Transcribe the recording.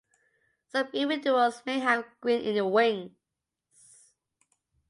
Some individuals may have green in the wings.